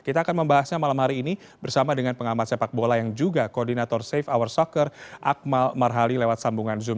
kita akan membahasnya malam hari ini bersama dengan pengamat sepak bola yang juga koordinator safe hour soccer akmal marhali lewat sambungan zoom